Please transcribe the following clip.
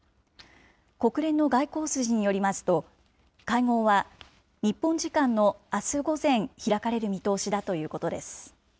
国連の外交筋によりますと、会合は日本時間のあす午前、開かれる見通しだということです。